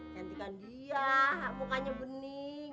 cantik kan dia mukanya bening